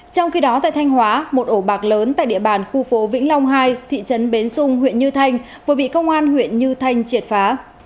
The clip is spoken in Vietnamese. trong khi đó tại thanh hóa một ổ bạc lớn tại địa bàn khu phố vĩnh long hai thị trấn bến xung huyện như thanh vừa bị công an huyện như thanh triệt phá